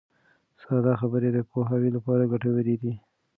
ساده خبرې د پوهاوي لپاره ګټورې دي.